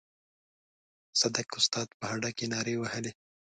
صدک استاد په هډه کې نارې وهلې.